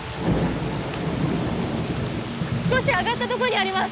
少し上がったどごにあります！